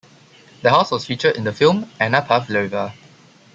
The house was featured in the film "Anna Pavlova".